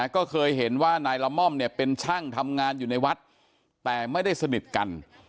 ก็เคยเห็นว่านายละม่อมเนี่ยเป็นช่างทำงานอยู่ในวัดแต่ไม่ได้สนิทกัน